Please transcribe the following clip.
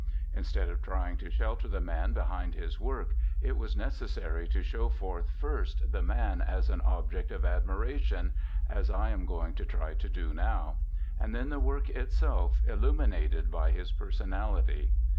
Instead of trying to shelter the man behind his work, it was necessary to show forth first the man as an object of admiration as I am going to try to do now and then the work itself illuminated by his personality.